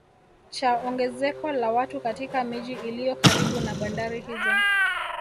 Cha ongezeko la watu katika miji iliyo karibu na bandari hizo